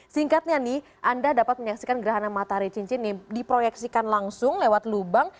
singkatnya nih anda dapat menyaksikan gerhana matahari cincin ini diproyeksikan langsung lewat lubang